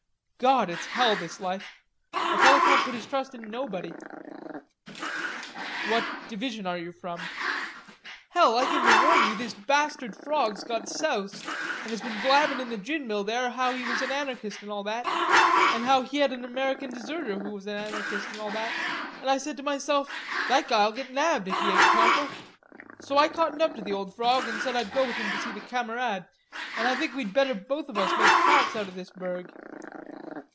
Gawd, it's hell, this life. A feller can't put his trust in nobody." "What division are you from?" "Hell, I came to warn you this bastard frawg's got soused an' has been blabbin' in the gin mill there how he was an anarchist an' all that, an' how he had an American deserter who was an anarchist an' all that, an' I said to myself: 'That guy'll git nabbed if he ain't careful,' so I cottoned up to the old frawg an' said I'd go with him to see the camarade, an' I think we'd better both of us make tracks out o' this burg."